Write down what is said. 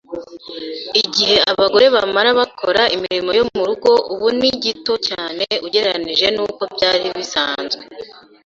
Igihe abagore bamara bakora imirimo yo murugo ubu ni gito cyane ugereranije nuko byari bisanzwe.